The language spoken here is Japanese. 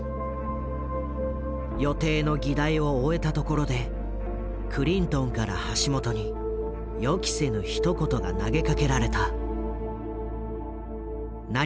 予定の議題を終えたところでクリントンから橋本に予期せぬひと言が投げかけられた。